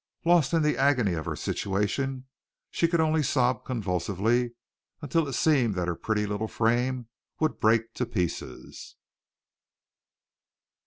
Lost in the agony of her situation, she could only sob convulsively until it seemed that her pretty little frame would break to pieces.